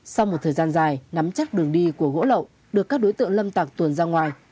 sau một thời gian dài nắm chắc đường đi của gỗ lậu được các đối tượng lâm tặc tuồn ra ngoài